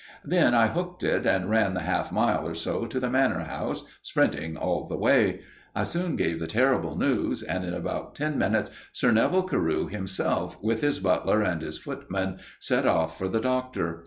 "Then I hooked it and ran the half mile or so to the Manor House, sprinting all the way. I soon gave the terrible news, and in about ten minutes Sir Neville Carew himself, with his butler and his footman, set off for the Doctor.